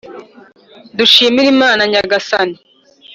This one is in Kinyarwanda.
dushimire imana nyagasani